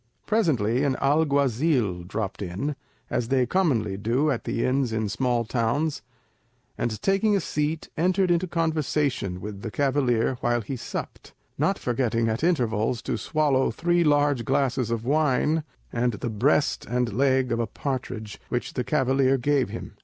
Presently an alguazil dropped in—as they commonly do at the inns in small towns—and taking a seat, entered into conversation with the cavalier while he supped; not forgetting at intervals to swallow three large glasses of wine, and the breast and leg of a partridge, which the cavalier gave him.